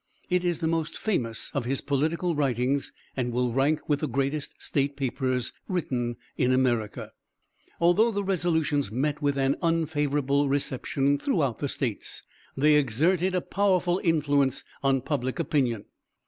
It is the most famous of his political writings and will rank with the greatest state papers written in America. Although the resolutions met with an unfavorable reception throughout the States, they exerted a powerful influence on public opinion.